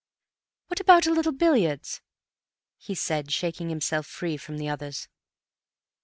"What about a little billiards?" he said, shaking himself free from the others.